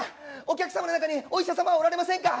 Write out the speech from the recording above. お客様の中にお医者様はおられませんか？